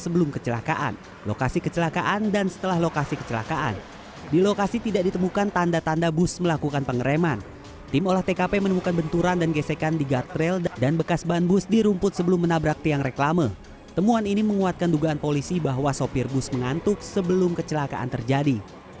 bahwa sopir bus mengantuk sebelum kecelakaan terjadi